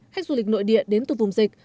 khách du lịch nội địa đến từ vùng dịch